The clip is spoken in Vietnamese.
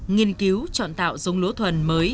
nghiên cứu chọn tạo dông lúa thuần mới